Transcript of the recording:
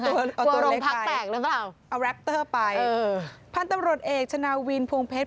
คือเอาตัวเล็กไปเอาแรปเตอร์ไปพันธ์ตำรวจเอกชนะวินพวงเพชร